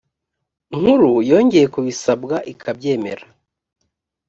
nkuru yongeye kubisabwa ikabyemera